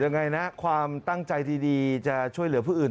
ยังไงนะความตั้งใจดีจะช่วยเหลือผู้อื่น